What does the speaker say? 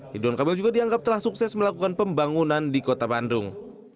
ridwan kamil juga dianggap telah sukses melakukan pembangunan di kota bandung